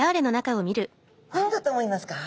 何だと思いますか？